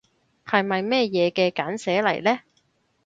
係咪咩嘢嘅簡寫嚟呢？